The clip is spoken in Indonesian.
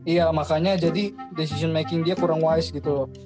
iya makanya jadi decision making dia kurang wise gitu loh